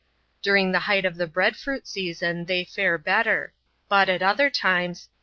During the height of the bread fruit season, they fare better ; but, at otliet tm<^ \Ja!